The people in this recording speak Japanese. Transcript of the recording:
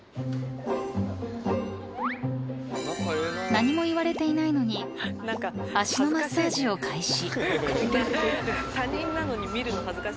［何も言われていないのに足のマッサージを開始］